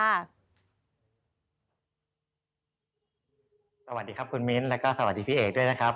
สวัสดีครับคุณมิ้นแล้วก็สวัสดีพี่เอกด้วยนะครับ